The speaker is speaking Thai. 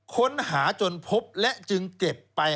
ค้นหาจนพบและจึงเก็บไป